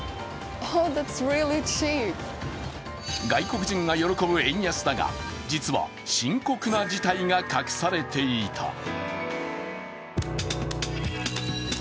外国人が喜ぶ円安だが実は深刻な事態が隠されていた。